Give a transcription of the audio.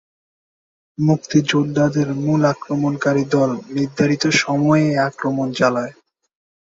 মুক্তিযোদ্ধাদের মূল আক্রমণকারী দল নির্ধারিত সময়েই আক্রমণ চালায়।